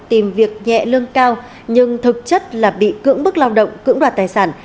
tìm việc nhẹ lương cao nhưng thực chất là bị cưỡng bức lao động cưỡng đoạt tài sản